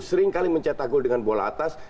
seringkali mencetak gol dengan bola atas